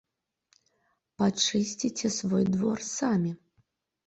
Пачысціце свой двор самі.